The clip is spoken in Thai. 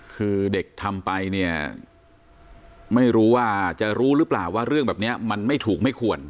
คือเด็กทำไปเนี่ยไม่รู้ว่าจะรู้หรือเปล่าว่าเรื่องแบบนี้มันไม่ถูกไม่ควร